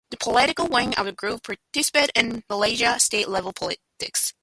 The political wing of the group participates in Malaysian state-level politics.